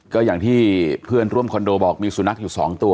ก็อย่างที่เพื่อนร่วมคอนโดบอกมีสุนัขอยู่๒ตัว